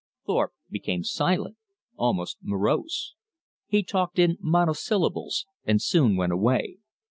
Thorpe became silent, almost morose. He talked in monosyllables, and soon went away.